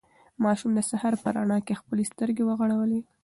ماشوم د سهار په رڼا کې خپلې سترګې وغړولې.